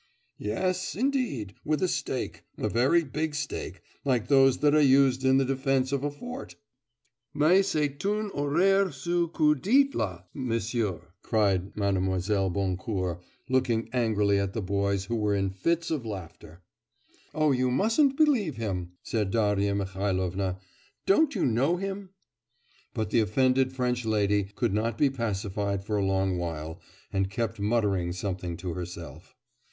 'Yes, indeed, with a stake, a very big stake, like those that are used in the defence of a fort.' 'Mais c'est un horreur ce que vous dites là, Monsieur,' cried Mlle. Boncourt, looking angrily at the boys, who were in fits of laughter. 'Oh, you mustn't believe him,' said Darya Mihailovna. 'Don't you know him?' But the offended French lady could not be pacified for a long while, and kept muttering something to herself.